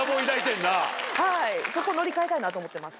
はいそこ塗り替えたいなと思ってます。